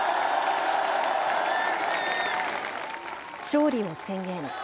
勝利を宣言。